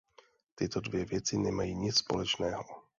Tyto dvě věci nemají nic společného.